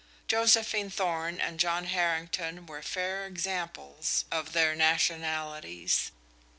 Josephine Thorn and John Harrington were fair examples of their nationalities.